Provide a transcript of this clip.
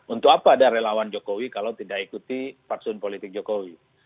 untuk apa ada relawan jokowi kalau tidak ikuti fatsun politik jokowi